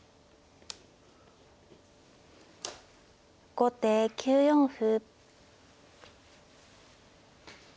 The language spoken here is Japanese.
後手９四歩。